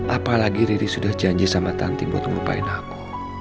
apalagi riri sudah janji sama tanti buat ngelupain aku